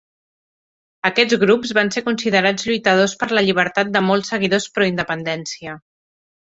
Aquests grups van ser considerats lluitadors per la llibertat per molts seguidors pro-independència.